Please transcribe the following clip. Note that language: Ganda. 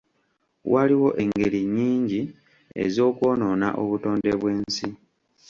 Waliwo engeri nnyingi ez'okwonoona obutonde bw'ensi.